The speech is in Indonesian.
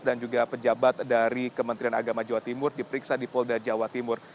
dan juga pejabat dari kementerian agama jawa timur diperiksa di polda jawa timur